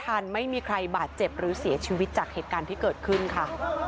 ทันไม่มีใครบาดเจ็บหรือเสียชีวิตจากเหตุการณ์ที่เกิดขึ้นค่ะ